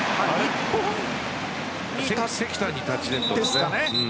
関田にタッチネットですかね。